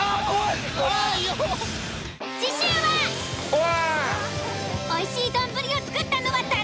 おいしい丼を作ったのは誰？